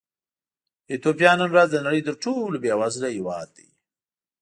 ایتوپیا نن ورځ د نړۍ تر ټولو بېوزله هېواد دی.